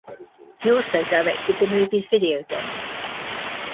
He also directed the movie's Video Game.